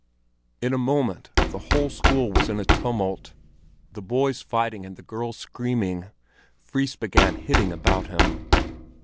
In a moment the whole school was in a tumult, the boys fighting and the girls screaming. Fris began hitting about him.